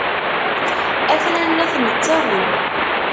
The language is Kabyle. A-ten-an la ten-nettwali.